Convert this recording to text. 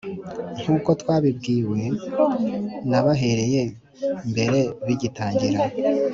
Nk uko twabibwiwe n abahereye mbere bigitangira